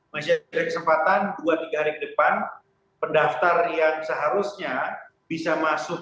masih ada kesempatan dua tiga hari ke depan pendaftar yang seharusnya bisa masuk